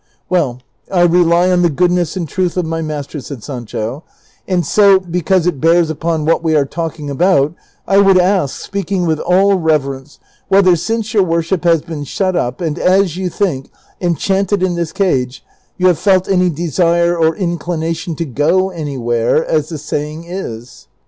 " Well, I rely on the goodness and truth of my master," said Sancho ;" and so, because it bears upon what we are talk ing about, I would ask, speaking with all reverence, whether since your worship has been shut up and, as you think, en chanted in this cage, you have felt any desire or inclination to go anywhere," as the saying is